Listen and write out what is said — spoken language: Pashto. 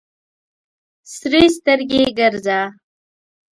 سرې سترګې ګرځه.